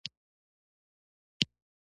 نن یې د ماما په غولي کې لانجه وکړه.